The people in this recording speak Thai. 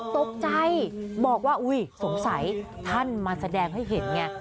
ตกใจบอกว่าอุ๊ยสงสัยท่านมาแสดงให้เห็นไง